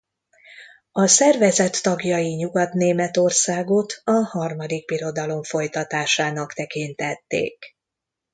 A szervezet tagjai Nyugat-Németországot a Harmadik Birodalom folytatásának tekintették.